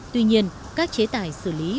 tuy nhiên các chế tài xử lý